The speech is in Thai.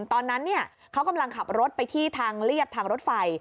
ตอนนั้นเขากำลังขับรถไปที่ทางเรียบทางรถไฟ